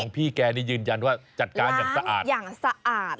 ของพี่แกนี่ยืนยันว่าจัดการอย่างสะอาด